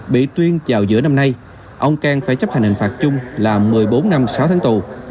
bị tuyên vào giữa năm nay ông cang phải chấp hành hình phạt chung là một mươi bốn năm sáu tháng tù